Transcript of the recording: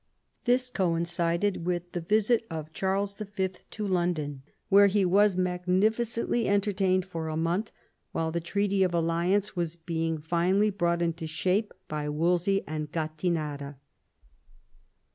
This coincided with the visit of Charles V. to London, where he was magnificently entertained for a month, while the treaty of alliance was being finally brought into shape by Wolsey and Gattinara.